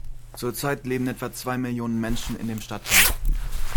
Zurzeit leben etwa zwei Millionen Menschen in dem Stadtteil.